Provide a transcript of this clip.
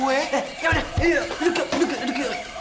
eh ya udah duduk yuk duduk yuk